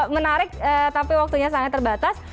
menarik tapi waktunya sangat terbatas